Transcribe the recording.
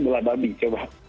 dengan donor jantungnya gula babi